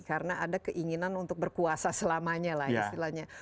karena ada keinginan untuk berkuasa selamanya lah